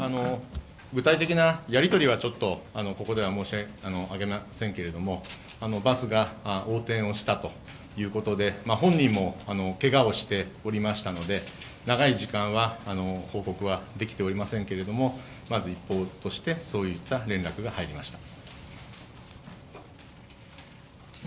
具体的なやりとりはここでは申し上げませんけれどもバスが横転したということで本人もけがをしておりましたので、長い時間は報告はできていませんけれどもまず一報としてそういった連絡が入りました。